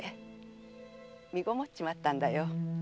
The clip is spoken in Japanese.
身籠っちまったんだよ。